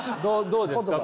どうですか？